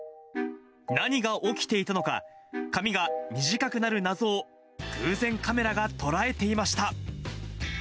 何が起きていたのか、髪が短くなる謎を偶然、カメラが捉えていました。